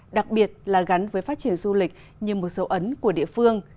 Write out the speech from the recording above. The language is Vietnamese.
đặc biệt là gắn với phát triển du lịch như một dấu ấn của địa phương